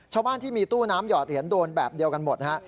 ชาวบ้านที่มีตู้น้ำหอดเหรียญโดนแบบเดียวกันหมดฮะ